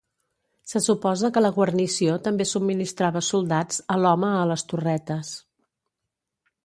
Se suposa que la guarnició també subministrava soldats a l'home a les torretes.